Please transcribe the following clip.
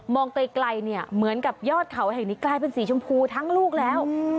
ไกลเนี่ยเหมือนกับยอดเขาแห่งนี้กลายเป็นสีชมพูทั้งลูกแล้ว